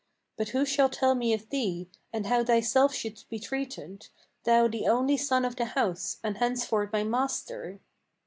But who shall tell me of thee, and how thyself shouldst be treated, Thou the only son of the house, and henceforth my master?"